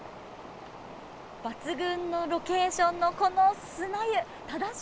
抜群のロケーションのこの砂湯。